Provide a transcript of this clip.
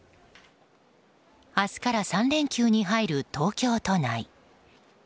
明日から３連休に入る東京都内。